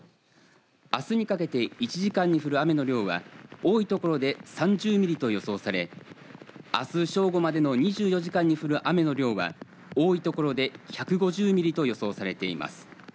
あすにかけて１時間に降る雨の量は多いところで３０ミリと予想されあす正午までの２４時間に降る雨の量は多いところで１５０ミリと予想されています。